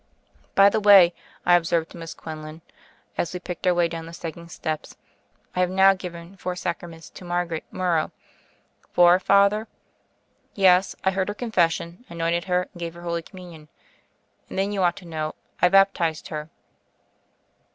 "By the way," I observed to Miss Quinlan, as we picked our way down the sagging steps, "I have now given four Sacraments to Mar garet Morrow." "Four, Father?" "Yes; I heard her confession, anointed her, and gave her Holy Communion. And then, you ought to know, I baptized her."